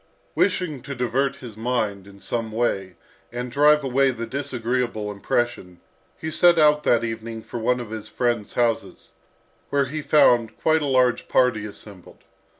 Wishing to divert his mind in some way and drive away the disagreeable impression, he set out that evening for one of his friends' houses, where he found quite a large party assembled.